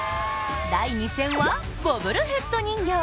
第２戦は、ボブルヘッド人形。